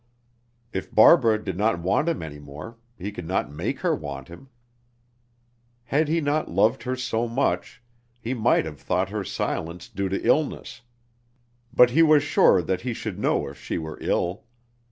If Barbara did not want him any more, he could not make her want him. Had he not loved her so much, he might have thought her silence due to illness; but he was sure that he should know if she were ill.